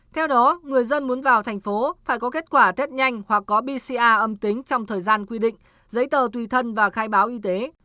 theo đó người dân muốn vào thành phố phải có kết quả test nhanh hoặc có bca âm tính trong thời gian quy định giấy tờ tùy thân và khai báo y tế